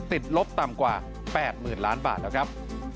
ติดลบต่ำกว่า๘๐ล้านบาทแล้วกับ